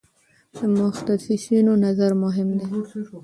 د متخصصینو نظر مهم دی.